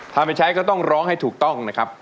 ถ้าไม่ใช้ก็ต้องร้องให้ถูกต้องนะครับ